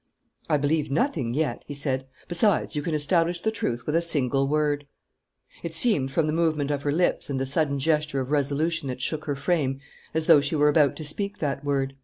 "I believe nothing yet," he said. "Besides, you can establish the truth with a single word." It seemed, from the movement of her lips and the sudden gesture of resolution that shook her frame, as though she were about to speak that word.